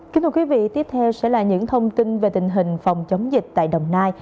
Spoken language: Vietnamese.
kính thưa quý vị tiếp theo sẽ là những thông tin về tình hình phòng chống dịch tại đồng nai